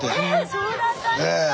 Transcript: そうだったんですか。